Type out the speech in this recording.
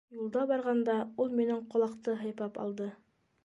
Юлда барғанда ул минең ҡолаҡты һыйпап алды: